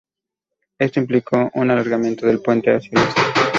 Esto implicó un alargamiento del puente hacia el este.